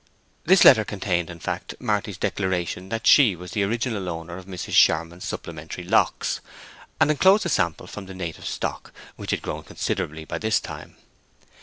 This letter contained, in fact, Marty's declaration that she was the original owner of Mrs. Charmond's supplementary locks, and enclosed a sample from the native stock, which had grown considerably by this time.